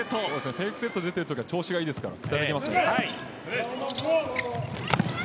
フェイクセットが出ている時は調子がいいですからね。